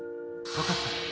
分かった。